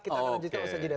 kita akan lanjutkan